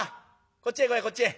こっちへ来いこっちへ。